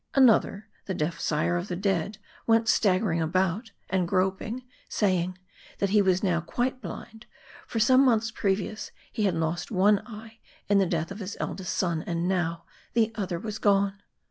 P * 346 M A R D I. Another, the deaf sire of the dead, went staggering about, and groping ; saying, that he was now quite blind ; for some months previous he had lost one eye in the death of his eldest son ; and now the other was gone.